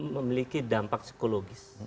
memiliki dampak psikologis